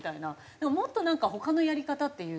でももっとなんか他のやり方っていうか。